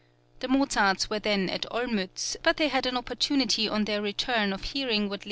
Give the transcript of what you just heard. The Mozarts were then at Olmtitz, but they had an opportunity on their return of hearing what L.